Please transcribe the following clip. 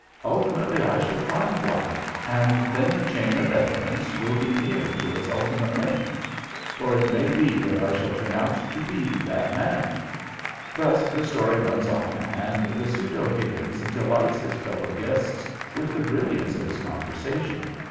Ultimately I shall find one, and then the chain of evidence will be near to its ultimate link, for it may be that I shall turn out to be that man.'" Thus the story runs on, and the pseudo Higgins delights his fellow guests with the brilliance of his conversation.